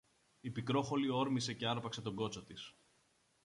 Η Πικρόχολη όρμησε και άρπαξε τον κότσο της.